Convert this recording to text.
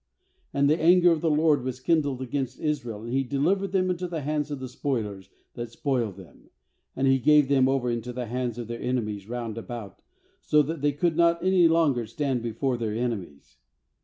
14And the anger of the LORD was kindled against Israel, and He delivered them into the hands of spoilers that spoiled them, and He gave them over into the hands of their enemies round about, so that they could not any longer stand before their enemies.